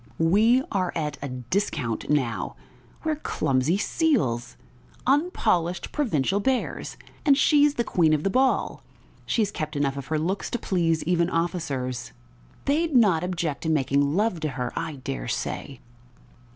"We are at a discount now.... We're clumsy seals, unpolished provincial bears, and she's the queen of the ball! She has kept enough of her looks to please even officers ... They'd not object to making love to her, I dare say!"